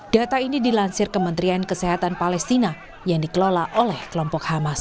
data ini dilansir kementerian kesehatan palestina yang dikelola oleh kelompok hamas